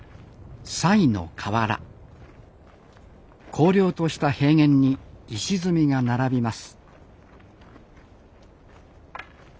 荒涼とした平原に石積みが並びます